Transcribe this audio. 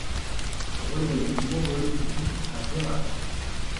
René Moreu vit à Vayrac.